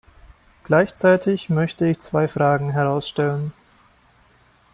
Gleichzeitig möchte ich zwei Fragen herausstellen.